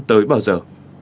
tới bao giờ